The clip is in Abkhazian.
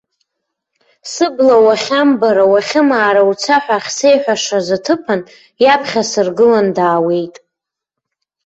Сыбла уахьамбара, уахьымаара уца ҳәа ахьсеиҳәашаз аҭыԥан, иаԥхьа сыргылан даауеит.